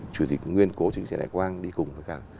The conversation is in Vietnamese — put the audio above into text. chủ tịch nguyên cố chủ tịch trần đại quang đi cùng với các